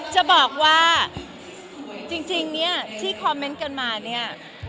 จะบอกว่าจริงเนี่ยที่คอมเมนต์กันมาเนี่ย